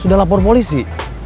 sudah lapor polisi